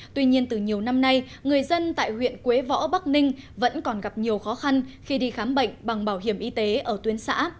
tuy nhiên từ nhiều năm nay người dân tại huyện quế võ bắc ninh vẫn còn gặp nhiều khó khăn khi đi khám bệnh bằng bảo hiểm y tế ở tuyến xã